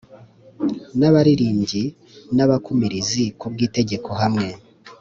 N abaririmbyi n abakumirizi ku bw itegeko hamwe